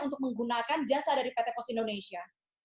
untuk menggunakan jasa dari pt pos indonesia